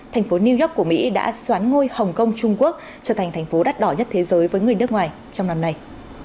thành phố new york của mỹ đã xoán ngôi hồng kông trung quốc trở thành thành phố đắt đỏ nhất thế giới với người nước ngoài trong năm nay